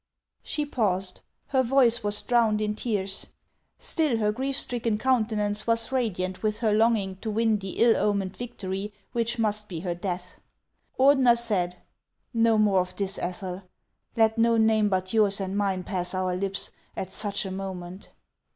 She paused ; her voice was drowned in tears. Still HANS OF ICELAND. 465 her grief stricken countenance was radiant with her long ing to win the ill omened victory which must be her death. Ordener said :" Xo more of this, Ethel. Let no name but yours and mine pass our lips at such a moment."